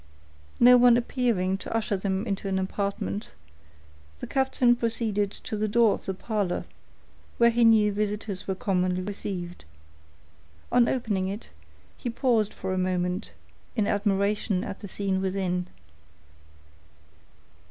No one appearing to usher them into an apartment, the captain proceeded to the door of the parlor, where he knew visitors were commonly received. On opening it, he paused for a moment, in admiration at the scene within.